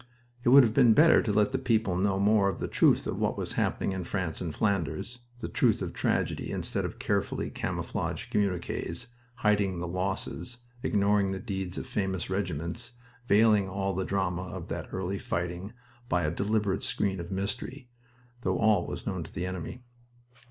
It would have been better to let the people know more of the truth of what was happening in France and Flanders the truth of tragedy, instead of carefully camouflaged communiques, hiding the losses, ignoring the deeds of famous regiments, veiling all the drama of that early fighting by a deliberate screen of mystery, though all was known to the enemy.